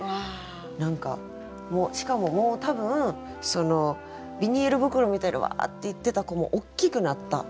何かしかももう多分そのビニール袋みたいにわっていってた子もおっきくなった。